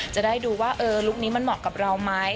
จะได้ดูว่าลุคนี้มันเหมาะกับเราไหม